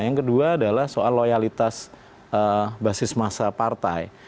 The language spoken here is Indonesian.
yang kedua adalah soal loyalitas basis masa partai